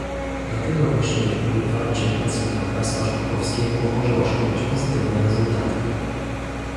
Dlatego właśnie wywarcie presji na Państwa członkowskie pomoże osiągnąć pozytywne rezultaty